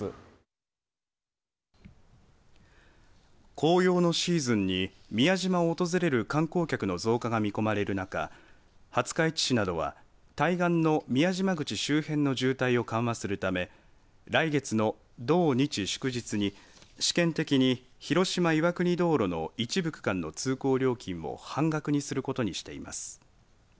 紅葉のシーズンに宮島を訪れる観光客の増加が見込まれる中廿日市市などは対岸の宮島口周辺の渋滞を緩和するため来月の土、日、祝日に試験的に広島岩国道路の一部区間の通行料金を半額にすることにしています。